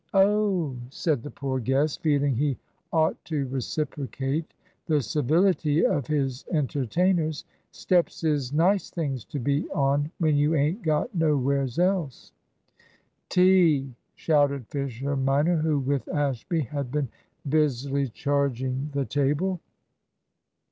"Oh," said the poor guest, feeling he ought to reciprocate the civility of his entertainers. "Steps is nice things to be on when you ain't got nowheres else." "Tea!" shouted Fisher minor, who with Ashby had been busily charging the table.